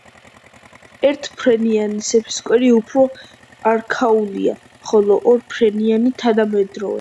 ერთ ფენიანი სეფისკვერი უფრო არქაულია, ხოლო ორ ფენიანი თანამედროვე.